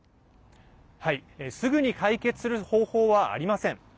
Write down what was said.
すぐに解決する方法はありません。